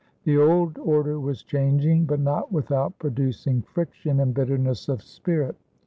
The old order was changing, but not without producing friction and bitterness of spirit.